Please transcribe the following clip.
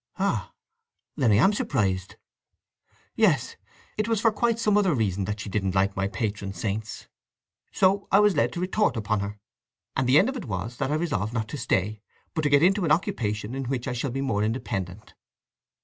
"Ah! Then I am surprised!" "Yes. It was for quite some other reason that she didn't like my patron saints. So I was led to retort upon her; and the end of it was that I resolved not to stay, but to get into an occupation in which I shall be more independent."